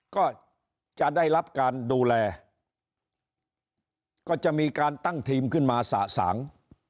ก็จะได้รับการดูแลก็จะมีการตั้งทีมขึ้นมาสะสาง